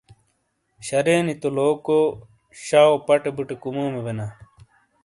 شرے نی تو لوکو شاؤپٹے بُٹے کُمومے بینا۔